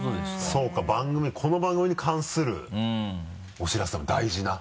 そうかこの番組に関するお知らせだ大事な。